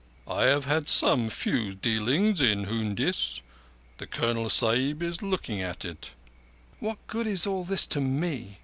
I have had some few dealings in hoondies. The Colonel Sahib is looking at it." "What good is all this to me?"